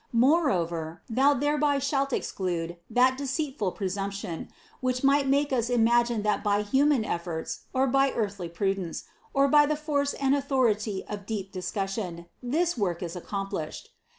Moreover Thou thereby shalt exclude that deceit ful presumption, which might make us imagine that by human efforts, or by earthly prudence, or by the force and authority of deep discussion, this work is accom plished.